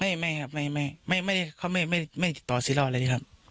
ไม่ไม่ครับไม่ไม่ไม่ไม่เขาไม่ไม่ไม่ติดต่อซื้อเหล้าเลยครับ